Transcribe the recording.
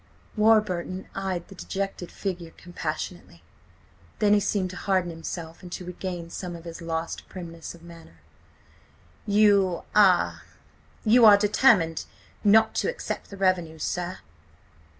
Warburton eyed the dejected figure compassionately. Then he seemed to harden himself and to regain some of his lost primness of manner. "You–ah–you are determined not to accept the revenues, sir?"